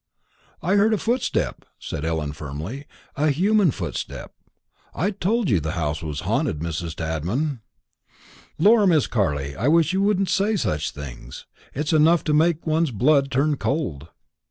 "I heard a footstep," said Ellen firmly; "a human footstep. I told you the house was haunted, Mrs. Tadman." "Lor, Miss Carley, I wish you wouldn't say such things; it's enough to make one's blood turn cold.